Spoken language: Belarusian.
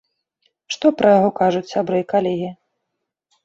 Што пра яго кажуць сябры і калегі?